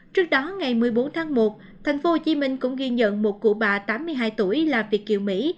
trước đó ngày một mươi bốn tháng một tp hcm cũng ghi nhận một cụ bà tám mươi hai tuổi là việt kiều mỹ